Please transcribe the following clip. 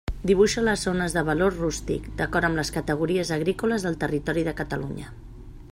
Dibuixa les zones de valor rústic, d'acord amb les categories agrícoles del territori de Catalunya.